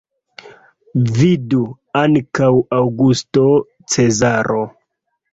Vidu ankaŭ Aŭgusto Cezaro.